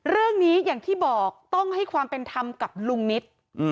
เรื่องนี้อย่างที่บอกต้องให้ความเป็นธรรมกับลุงนิต